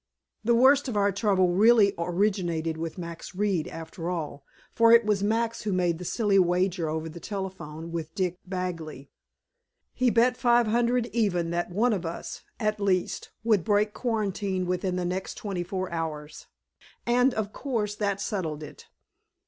The worst of our trouble really originated with Max Reed, after all. For it was Max who made the silly wager over the telephone, with Dick Bagley. He bet five hundred even that one of us, at least, would break quarantine within the next twenty four hours, and, of course, that settled it.